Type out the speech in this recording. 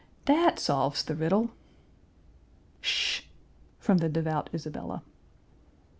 "That solves the riddle." "Sh sh!!" from the devout Isabella.